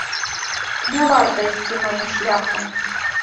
Не варта ісці маім шляхам.